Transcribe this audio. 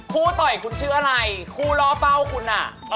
ต่อยคุณชื่ออะไรคู่ล่อเป้าคุณอ่ะ